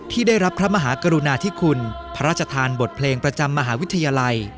ที่ได้รับพระมหากรุณาธิคุณพระราชทานบทเพลงประจำมหาวิทยาลัย